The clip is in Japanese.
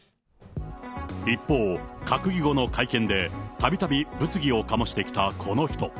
一方、閣議後の会見で、たびたび物議を醸してきたこの人。